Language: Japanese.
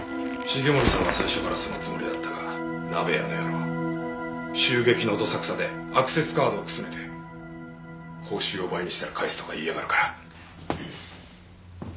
繁森さんは最初からそのつもりだったが鍋谷の野郎襲撃のどさくさでアクセスカードをくすねて報酬を倍にしたら返すとか言いやがるから。